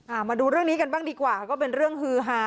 มาดูเรื่องนี้กันบ้างดีกว่าค่ะก็เป็นเรื่องฮือฮา